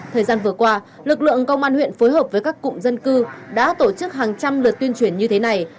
thời gian vừa qua lực lượng công an huyện phối hợp với các cụm dân cư đã tổ chức hàng trăm lượt tuyên truyền như thế này